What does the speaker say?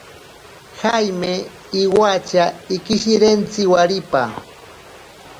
Jaime iwatya ikishirentsi waripa.